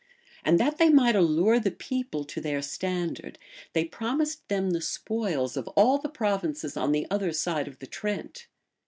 And that they might allure the people to their standard, they promised them the spoils of all the provinces on the other side of the Trent.